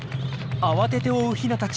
慌てて追うヒナたち。